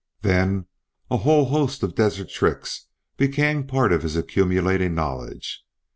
Then a whole host of desert tricks became part of his accumulating knowledge.